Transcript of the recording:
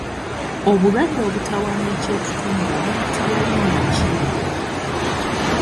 Obulwadde obutawaanya kyetutumula buyitibwa linnya ki?